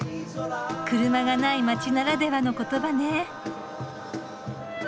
車がない街ならではの言葉ね。